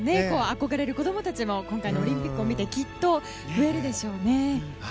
憧れる子どもたちも今回のオリンピックを見てきっと増えるでしょうね。